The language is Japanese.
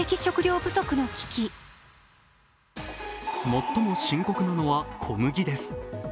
最も深刻なのは小麦です。